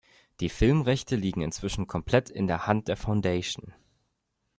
Die Filmrechte liegen inzwischen komplett in der Hand der Foundation.